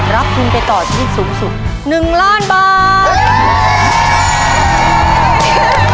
รับทุนไปต่อชีวิตสูงสุด๑ล้านบาท